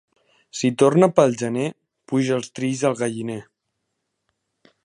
Si trona pel gener, puja els trills al galliner.